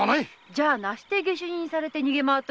じゃあなして下手人にされて逃げ回っとると？